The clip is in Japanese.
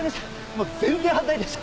もう全然反対でした。